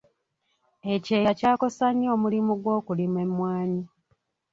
Ekyeya kyakosa nnyo omulimu gw’okulima emmwanyi.